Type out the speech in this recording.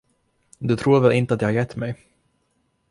Du tror väl inte att jag har gett mig?